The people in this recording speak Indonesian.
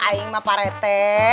aing mah pak rete